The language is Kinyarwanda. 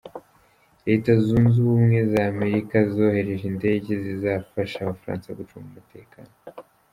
Leta zunze ubumwe za amerika zohereje indege zizafasha abafaransa gucunga umutekano